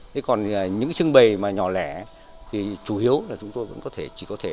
thế còn những trưng bày mà nhỏ lẻ thì chủ yếu là chúng tôi chỉ có thể